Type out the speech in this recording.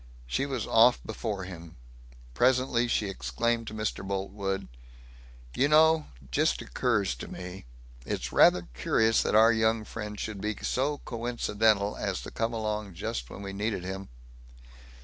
She was off before him. Presently she exclaimed to Mr. Boltwood: "You know just occurs to me it's rather curious that our young friend should be so coincidental as to come along just when we needed him."